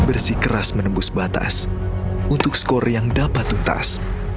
bersih keras menembus batas untuk skor yang dapat tuntas